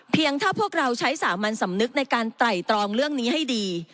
ถ้าพวกเราใช้สามัญสำนึกในการไตรตรองเรื่องนี้ให้ดี